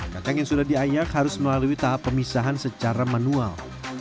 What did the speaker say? kacang yang sudah diayak harus melalui tahap pemisahan secara manual